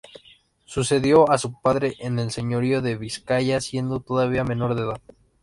Sucedió a su padre en el señorío de Vizcaya siendo todavía menor de edad.